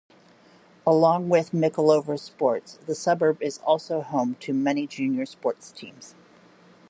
Along with Mickleover Sports, the suburb is also home to many junior sports teams.